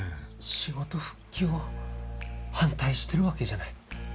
仕事復帰を反対してるわけじゃない。